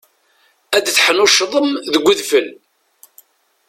Ad teḥnuccḍem deg udfel.